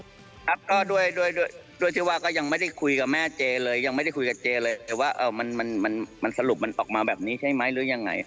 ครับก็ด้วยด้วยที่ว่าก็ยังไม่ได้คุยกับแม่เจเลยยังไม่ได้คุยกับเจเลยแต่ว่ามันมันสรุปมันออกมาแบบนี้ใช่ไหมหรือยังไง